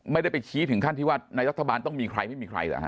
ไม่ได้ไปชี้ถึงขั้นที่ว่าในรัฐบาลต้องมีใครไม่มีใครเหรอฮ